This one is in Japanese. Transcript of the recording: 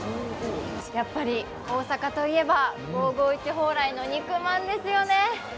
やっぱり大阪といえば、５５１蓬莱の肉まんですよね。